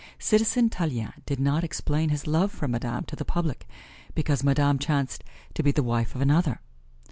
Citizen Tallien did not explain his love for Madame to the public, because Madame chanced to be the wife of another.